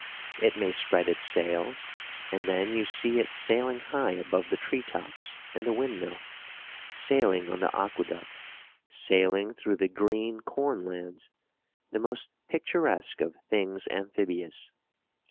It may spread its sails, and then you see it sailing high above the tree tops and the windmill, sailing on the aqueduct, sailing through the green corn lands: the most picturesque of things amphibious.